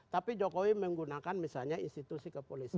tapi jokowi menggunakan misalnya institusi kepolisian